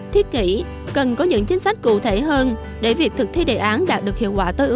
thiết nghĩ cần có những chính sách cụ thể hơn để việc thực thi đề án đạt được hiệu quả tối ưu